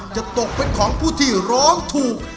จะตกเป็นของผู้ที่ร้องถูก